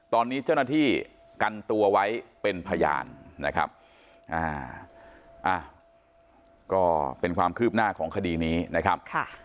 ตอนนี้เจ้าหน้าที่กันตัวไว้เป็นพยานนะครับก็เป็นความคืบหน้าของคดีนี้นะครับ